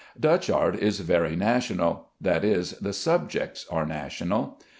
Dutch art is very national; that is, the subjects are national.